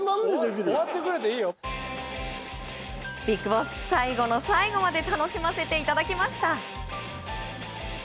ビッグボス最後の最後まで楽しませていただきました。